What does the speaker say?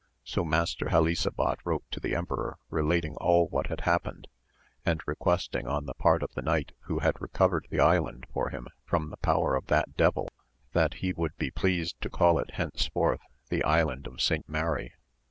So Master Helisabad wrote to the emperor relating all what had happened, and requesting on the part of the knight who had recovered the island for him from the power of that devil, that he would be pleased to call it henceforth the Island of St. Mary.